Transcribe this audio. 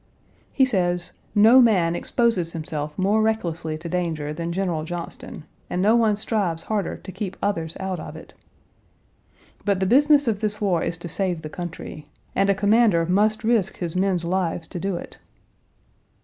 He says, "No man exposes himself more recklessly to danger than General Johnston, and no one strives harder to keep others out of it." But the business of this war is to save the country, and a commander must risk his men's lives to do it.